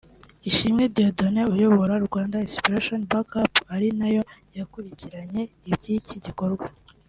Ishimwe Dieudonné uyobora Rwanda Inspiration Back-up ari nayo yakurikiranye iby’iki gikorwa